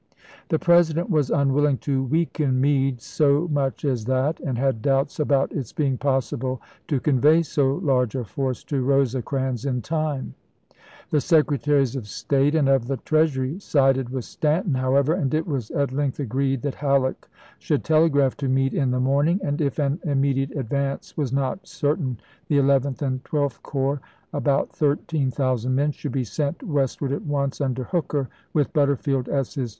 The President was unwilling to weaken Meade so much as that, and had doubts about its being possible to convey so large a force to Eose crans in time ; the Secretaries of State and of the Treasury sided with Stanton, however, and it was at length agreed that Halleck should telegraph to Meade in the morning ; and if an immediate advance was not certain the Eleventh and Twelfth Corps, warden, about thirteen thousand men, should be sent west satoon^. ward at once, under Hooker, with Butterfield as his pp.